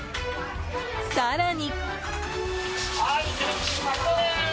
更に。